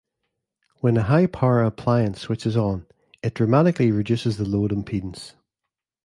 When a high-power appliance switches on, it dramatically reduces the load impedance.